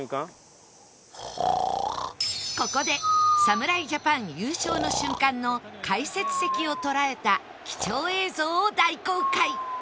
ここで侍ジャパン優勝の瞬間の解説席を捉えた貴重映像を大公開！